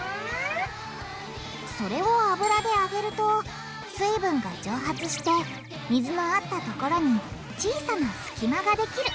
それを油で揚げると水分が蒸発して水のあったところに小さなすき間ができる。